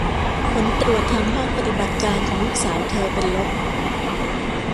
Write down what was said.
ผลตรวจทางห้องปฏิบัติการของลูกสาวเธอเป็นลบ